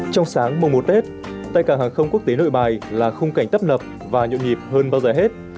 trong sáng mùa một tết tại cảng hàng không quốc tế nội bài là khung cảnh tấp nập và nhộn nhịp hơn bao giờ hết